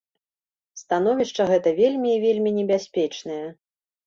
Становішча гэта вельмі і вельмі небяспечнае.